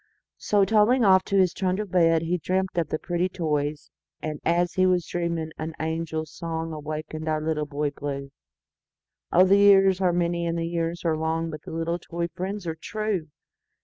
So, toddling off to his trundle bed, He dreamt of the pretty toys; And, as he was dreaming, an angel songAwakened our Little Boy Blue—Oh! the years are many, the years are long, But the little toy friends are true!